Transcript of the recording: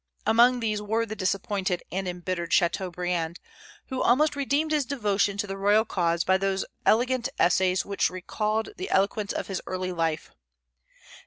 Among these were the disappointed and embittered Chateaubriand, who almost redeemed his devotion to the royal cause by those elegant essays which recalled the eloquence of his early life.